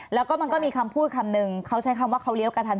แล้วก็มันก็มีคำพูดคำนึงเขาใช้คำว่าเขาเลี้ยวกระทัน